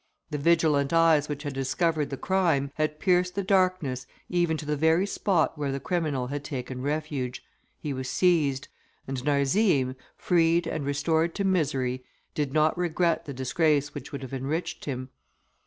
The vigilant eyes which had discovered the crime, had pierced the darkness, even to the very spot where the criminal had taken refuge; he was seized; and Narzim, freed and restored to misery, did not regret the disgrace which would have enriched him.